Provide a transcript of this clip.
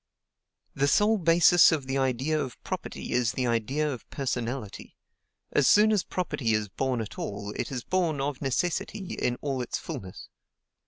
"The sole basis of the idea of property is the idea of personality. As soon as property is born at all, it is born, of necessity, in all its fulness.